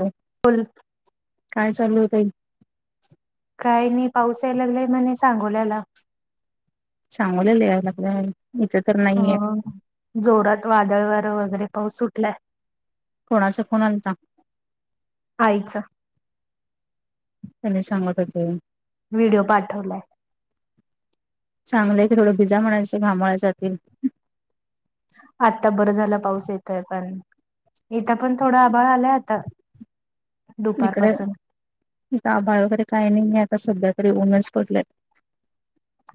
हा ब काय चालू होताई काय नाही पाऊसा यायलागलाय म्हणे सांगोल्याला चांगवलंलं इथे तर अ नाहीये जोरात वादळ व वगैरे पाऊस सुटलाय थोडासा कोण आलता आयच त्यांनी सांगत होते व्हिडिओ पाठवलाय चांगलंय तर थोडं भिजा म्हणायचं घामायचील आता बरं झालं पाऊस येतोय पण इथ पण थोडा आबााळ आलाय आता इकडे दुपारपासून आभाळ वगैरे काही नाही नाही आता सध्या तरी ओनस पटले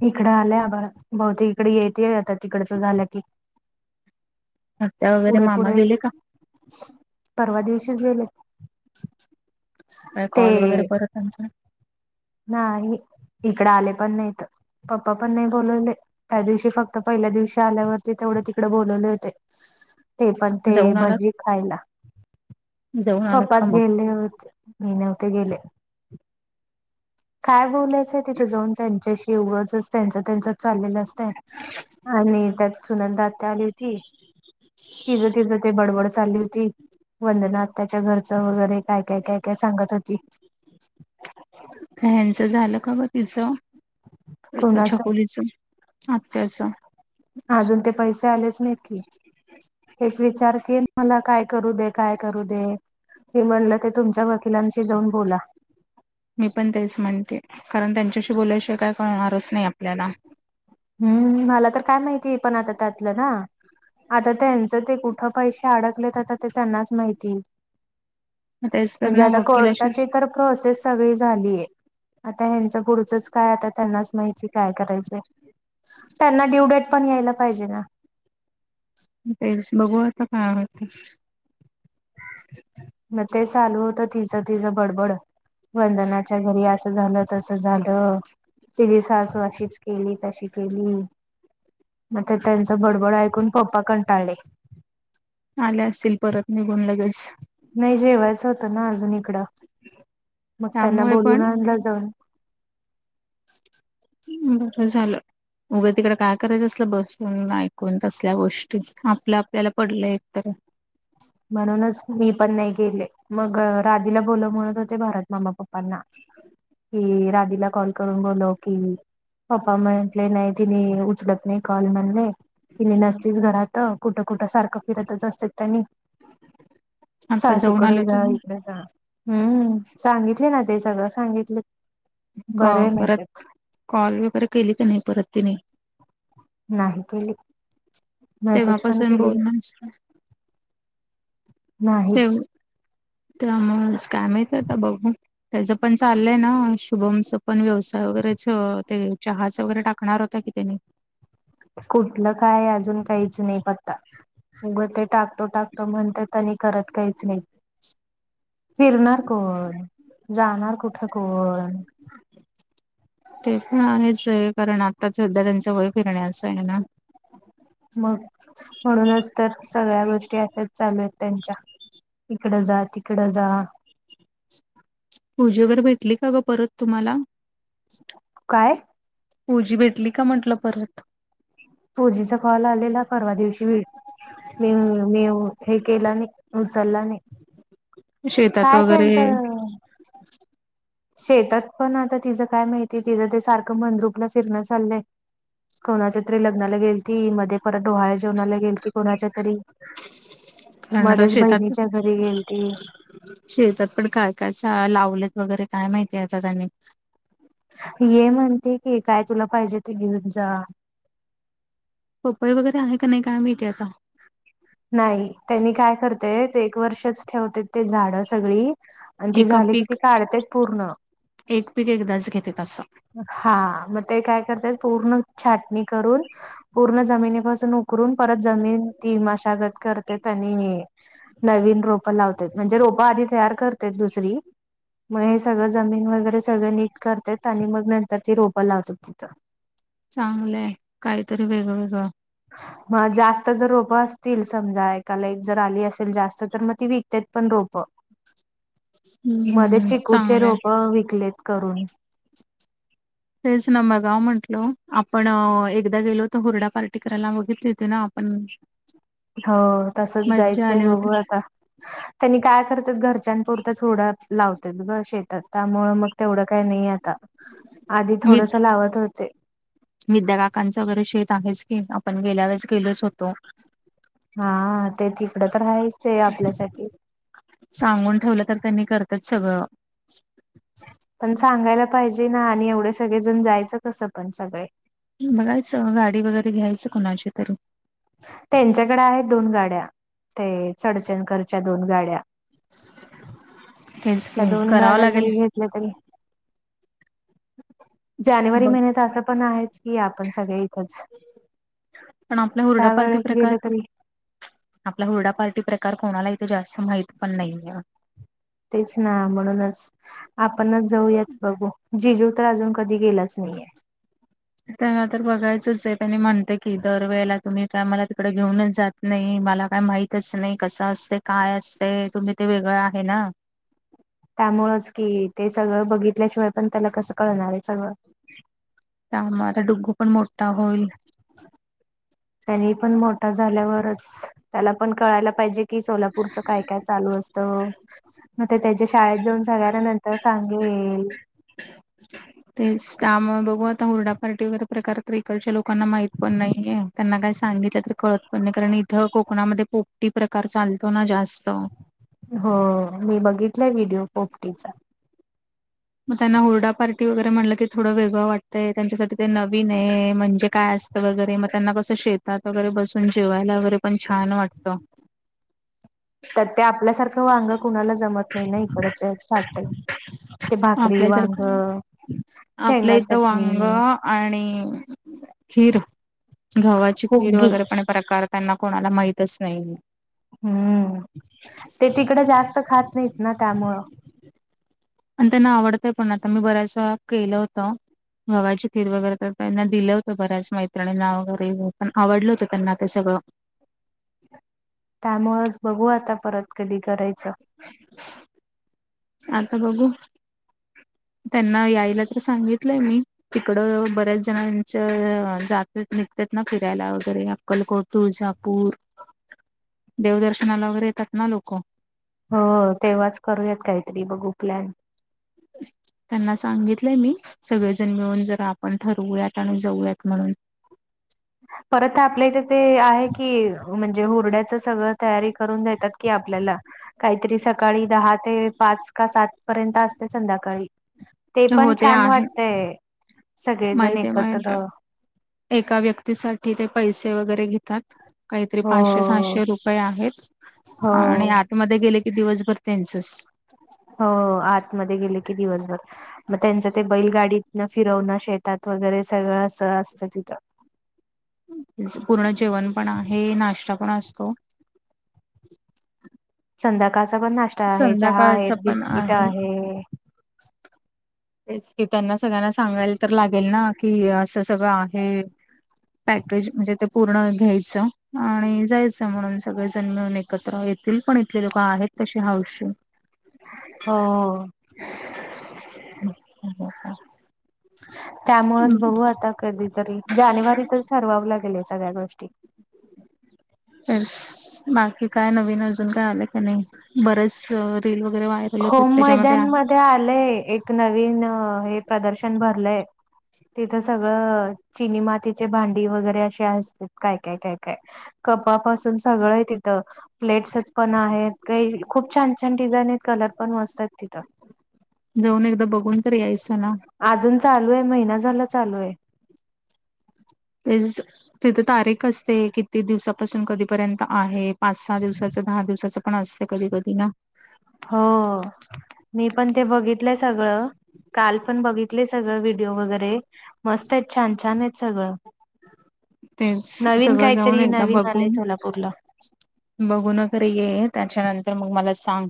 इकडं आल्या ब बहुते इकडे येते आता तिकडच झालं की आत्या वगैरे पुढे मामा पुढे गेले का परवा दिवशीच गेले का ते कॉल वगैरे परतचा नाही इकडे आले पण नाही तर पप्पा पण नाही बोलवले त्या दिवशी फक्त पहिल्या दिवशी आल्यावरती तेवढं तिकडे बोलवले होते ते पण ते जाऊन आलात भजी खायला जाऊन आलात पप्पाच का मग गेले होते ने नवते गेले काय बोलायचंय तिथे जाऊन त्यांच्याशी एवगच त्यांच त्यांच चाललेलं असत आणि त्यात सुनलदा आ्या आली होती [inaudible] तिज तिज ते बडबड चालली होती वंदनात त्याच्या घरचं वगैरे काय काय काय काय सांगत होती फनचं झालं का बा तिचं कोणाच चछकोलीच आत्याचा अजून ते पैसे आलेच नाही की तेच विचार तिल मला काय करू दे काय करू दे की म्हणलं ते तुमच्या वकिलांशी जाऊन बोला मी पण तेच म्हणते कारण त्यांच्याशी बोलायशिवाय काय कळणारच नाही आपल्याला हम्म मला तर काय माहिती आहे पण आता त्यातलं ना आता त्यांचं ते कुठं पैसे अडकलेत आता ते त्यांनाच माहिती तेच तर म्हणजे ना आता वकिलाशीच कोर्टाचे तर प्रोसेस सगळी झालीय आता ह्यांच पुढचंच काय आता त्यांनाच माहिती काय करायचंय त्यांना ड्यू डेट पण यायला पाहिजे ना तेच बघू आता काय होतंय मग ते चालू होतं तिचं तिचं बडबड वंदनाच्या घरी असं झालं तसं झालं तिची सासू अशीच केली तशी केली मग ते त्यांचं बडबड ऐकून पप्पा कंटाळले आले असतील परत निघून लगेच नाही जेवायचं होतं ना अजून इकडं मग त्यांना त्यामुळे बोलवून पण आणलं जाऊन बरं झालं उगं तिकडे काय करायचं असल बसून ऐकून तसल्या गोष्टी आपल्या आपल्याला पडलं एकत म्हणूनच मी पण नाही गेले मग राधीला बोलव म्हणत होते भरत मामा पप्पांना कि राधीला कॉल करून बोलव की पप्पा म्हंटले नय तीनी उचलत नाही कॉल म्हणले तिली नसतीच घरात कुठं कुठं सारखं फिरतच असत्यात त्यांनी आता जाऊन सासूकडं आलो जा तुम्ही इकड जा हम्म सांगितले ना ते सगळं सांगितले क बरे परत म्हणतात कॉल वगैरे केली क नाही परत तिने नाही केली मेसेज पण तेव्हापासून केली बोलण नाही [inaudible] त्यामुळच काय माहित आता बघू त्याच पण चाललंय ना शुभमच पण व्यवसाय वगैरेच ते चहाच वगैरे टाकणार होता कि त्यानी कुठलं काय अजून काहीच नाही पत्ता उगं ते टाकतो टाकतो म्हणत्यात आणि करत काहीच नाही फिरणार कोण जाणार कुठं कोण ते पण आहेच आहे कारण आता सध्या त्यांचं वय फिरण्याचं आहे ना मग म्हणूनच तर सगळ्या गोष्टी अश्याच चालू आहेत त्यांच्या इकडं जा तिकडं जा पूजी वगैरे भेटली का ग परत तुम्हाला काय पुजी भेटली का म्हटलं परत पूजीचा कॉल आलेला परवा दिवशी व्हिडि मी मी हे केला नाही उचलला नाही शेतात काय वगैरे त्यांचं शेतात पण आता तिचं काय माहितीय तिचं ते सारखं मंदरुपला फिरणं चाललंय कोणाच्यातरी लग्नाला गेलती मध्ये परत डोहाळ जेवणाला गेली ती कोणाच्या तरी कारण आता मध्येच शेतात बहिणीच्या घरी गेलती शेतात पण काय काय लावलेत वगैरे काय माहितीय आता त्यांनी ये म्हणते की काय तुला पाहिजे ते घेऊन जा पपई वगैरे आहे का नाही काय माहिती आता नाही त्यांनी काय करतेते एक वर्षच ठेवते ते झाडं सगळी आणि ती एक झाली कि पीक ती काढतेत पूर्ण एक पीक एकदाच घेतेत असं हा मग ते काय करतेत पूर्ण छाटणी करून पूर्ण जमिनीपासून उकरून परत जमीन ती मशागत करते त्यांनी नवीन रोपं लावत्यात म्हणजे रोप आधी तयार करत्यात दुसरी मग हे सगळं जमीन वगैरे सगळं नीट करते आणि मग नंतर ती रोपं लावतात तिथं चांगलंय काहीतरी वेगवेगळ मग जास्त जर रोपं असतील समजा एकाला एक जर आली असेल जास्त तर मग ती विकत्यात पण रोपं मध्ये हम्म चिकूचे चांगलंय रोप विकलेत करून तेच ना बागाव म्हंटल आपण एकदा गेलो तर हुरडा पार्टी करायला बघितली हो त ना आपण ह [inaudible] हो तसचं मज्जा जायचंय आली बघू होती आता त्यांनी काय करतात घरच्यांपुरतंच थोडं लावतात गं शेतात त्यामुळं मग तेवढं काय नाही आता आधी वि थोडसं लावत होते. विद्या काकांचं वगैरे शेत आम्हीच केलं पण गेल्या वेळेस गेलोच होतो. हा हा ते तिकडं तर राहायचं आपल्यासाठी सांगून ठेवलं तर त्यांनी करत्यात सगळं पण सांगायला पाहिजे ना, आणि एवढे सगळेजण जायचं कसं पण सगळे बघायचं गाडी वगैरे घ्यायचं कुणाची तरी त्यांच्याकडे आहेत दोन गाड्या ते चडचणकरच्या दोन गाड्या तेच की त्या दोन करावं गाड्या लागेल जरी घेतल्या तरी जानेवारी ब महिन्यात असं पण आहेच की आपण सगळे इथंच पण आपला हुरडा पार्टी त्यावेळेच गेले प्रकार तरी आपला हुरडा पार्टी प्रकार कोणाला इथे जास्त माहित पण नाहीय. तेच ना म्हणूनच आपणच जाऊयात बघू जिजू तर अजून कधी गेलेच नाहीये. त्यांना तर बघायचंच आहे त्यांनी म्हणते की दरवेळेला तुम्ही काय मला तिकडे घेऊनच जात नाही. नाही मला काय माहितच नाही कसं असते काय असते तुम्ही ते वेगळं आहे ना त्यामुळंच कि ते सगळं बघितल्याशिवाय पण त्याला कसं कळणार आहे सगळं? त्यामुळं माझा डुग्गु पण मोठा होईल. त्यांनी पण मोठा झाल्यावरच त्याला पण कळायला पाहिजे. की सोलापूरचं काय काय चालू असतं. मग ते त्याच्या शाळेत जाऊन सगळ्यांना नंतर सांगेल. तेच त्यामुळं बघू आता हुरडा पार्टी वगैरे प्रकार तर इकडच्या लोकांना माहित पण नाहीय. त्यांना काय सांगितलं तर कळतं पण नाही कारण इथं कोकणामध्ये पोपटी प्रकार चालतो ना जास्तं हो मी बघितलाय व्हिडिओ पोपटीचा मग त्यांना हरडा पार्टी वगैरे म्हणलं की थोडं वेगळं वाटतंय त्यांच्यासाठी ते नवीनय म्हणजे काय अस तरी वगैरे मग त्यांना कसं शेतात वगैरे बसून जेवायला वगैरे पण छान वाटतं. [inaudible] त्यात ते आपल्यासारखं वांग कुणाला जमत नाही ना इकडचं काट [unintelligible] आपल्या सारखं आपल्या शेंगा इथं चटणी वांग आणि खीर गव्हाची खीर हुग्गी वगैरे पण प्रकार त्यांना कोणाला माहितच नाही. हम्म ते तिकडे जास्त खात नाहीत ना त्यामुळं आणि त्यांना आवडतंय पण आता मी बऱ्याच केलं होतं. गव्हाची खीर वगैरे तर त्यांना दिलं होतं बऱ्याच मैत्रिणींना वगैरे पण आवडलं होतं त्यांना ते सगळं त्यामुळेच बघू आता परत कधी करायचं? आता बघू त्यांना यायला तर सांगितलंय मी तिकड बऱ्याच जणांच्या जातेत निघतात ना फिरायला वगैरे अक्कलकोट, तुळजापूर [inaudible] देवदर्शनाला वगैरे येतात ना लोकं. हो तेव्हाच करूयात काहीतरी बघू प्लन. त्यांना सांगितलंय मी सगळेजण मिळून जरा आपण ठरवूयात आणि जाऊयात म्हणून परत आपल्या इथे ते आहे की म्हणजे हुरड्याच सगळं तयारी करून देतात की आपल्याला काहीतरी सकाळी दहा ते पाच का सात पर्यंत असते संध्याकाळी. ते हो पण छान आहे वाटतय सगळेजण माहित आहे माहित एकत्र. आहे. एका व्यक्तीसाठी ते पैसे वगैरे घेतात काहीतरी हो पाचशे सहाशे रुपये आहेत. हो आणि आतमध्येध्ये गेले की दिवसभर त्यांचच. हो आतमध्ये गेले की दिवसभर मग त्यांचं ते बैलगाडीत फिरवण शेतात वगैरे सगळं असं असतं तिथं. पूर्ण जेवण पण आहे नाश्ता पण असतो. संध्याकाळचा पण नाश्ता आहे चहा संध्याकाळचा आहेत पण बिस्किट आहे. तेच की त्यांना सगळ्यांना सांगायला तर लागेल ना कि असं सगळं आहे. पॅकेज म्हणजे ते पूर्ण घ्यायचं आणि जायचं म्हणून सगळे जण मिळून. एकत्र येतील पण इथले लोक आहेत तशी हाऊशी. हो. ह ह ह [unintelligible] त्यामुळेच बघू आता कधीतरी जानेवारीतच ठरवाव लागेलं सगळ्या गोष्टी. स बाकी काय नवीन अजून काय आले का नाही बरेच वगैरे होत होम त्याच्यामध्ये मैदानमध्ये आलेय एक नवीन हे प्रदर्शन भरलेय. तिथं सगळं चिनी मातीचे भांडी वगैरे असे असते काय काय काय काय. कपापासून सगळं आहे तिथं प्लेट्सच पण आहेत काही खूप छान छान डिझाईन आहेत. कलर पण मस्त आहेत तिथं. जाऊन एकदा बघून तर यायचं ना. अजून चालू आहे महिना झाला चालू आहे. तेज तिथे तारीख असते किती दिवसापासून कधीपर्यंत आहे. पाच सहा दिवसाचं दहा दिवसाचं पण असते कधी कधी ना हो. मी पण ते बघितलं सगळं काल पण बघितलं सगळं व्हिडिओ वगैरे. मस्त आहेत छान छान आहेत सगळं. तेच नवीन सगळं जाऊन काहीतरी एकदा नवीन बघू आलंय सोलापूरला. बघुन खर ये त्याच्यानंतर मग मला सांग.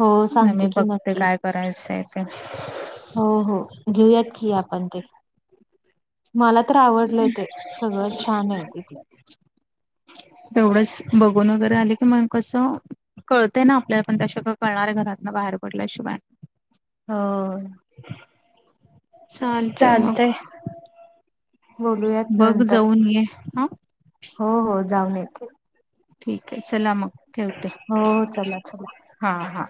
हो नाही सांगते मी की बघते नक्की काय करायचं आहे तेे. हो हो घेऊयात की आपण ते. मला तर आवडलंय ते सगळंत छान आहे तिथलं. तेवढंच बघून वगैरे आले की मग कसं. कळतें ना आपल्याला पण त्याश कां कळणार आहे घरातन बाहेर पडल्या शिवाय. हो. [inaudible] चालतय मग चालतंय. बोलूयात बघ नंतर जाऊन ये हा. हो हो जाऊन येेते. ठीक आहे चला मग ठेवते. हो हो चला चला. हा हा.